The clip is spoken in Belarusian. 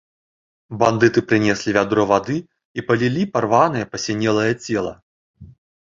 Бандыты прынеслі вядро вады і палілі парванае, пасінелае цела.